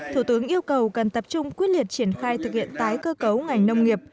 thủ tướng yêu cầu cần tập trung quyết liệt triển khai thực hiện tái cơ cấu ngành nông nghiệp